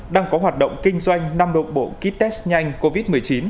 đang có hoạt động kinh doanh năm nội bộ kit test nhanh covid một mươi chín